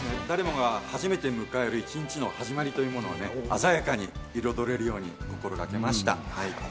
誰もが初めて迎える一日の始まりというのを色濃くできるように心がけました。